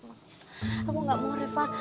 mas aku gak mau reva